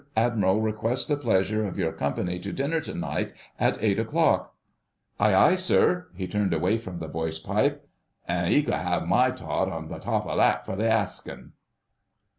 Admiral requests the pleasure of your company to dinner to night at eight o'clock." "Aye, aye, sir." He turned away from the voice pipe. "An' 'e could 'ave my tot on top o' that for the askin'."